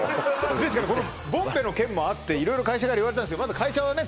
ですからこのボンベの件もあって色々会社から言われたんですけどまだ会社はね